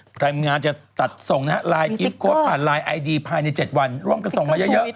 ทีมงานจะจัดส่งนะฮะไลน์กรีฟโค้ดผ่านไลน์ไอดีภายใน๗วันร่วมกันส่งมาเยอะ